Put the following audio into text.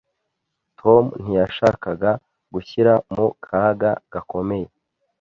Tom ntiyashakaga gushyira mu kaga gakomeye.